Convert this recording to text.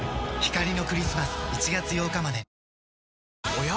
おや？